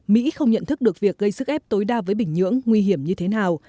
mỹ không nhận thức được việc gây sức ép tối đa với bình nhưỡng nguy hiểm như thế nào